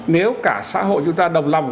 nếu cả xã hội chúng ta đồng lòng